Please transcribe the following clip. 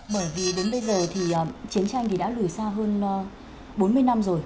bởi vì đến bây giờ thì chiến tranh thì đã lùi xa hơn bốn mươi năm rồi